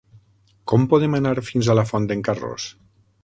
Com podem anar fins a la Font d'en Carròs?